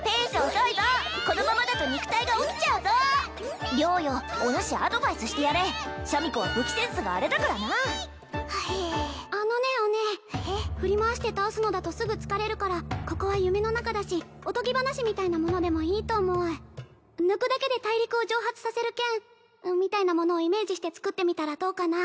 遅いぞこのままだと肉体が起きちゃうぞ良よおぬしアドバイスしてやれシャミ子は武器センスがあれだからなはへあのねお姉振り回して倒すのだとすぐ疲れるからここは夢の中だしおとぎ話みたいなものでもいいと思う抜くだけで大陸を蒸発させる剣みたいなものをイメージして作ってみたらどうかな？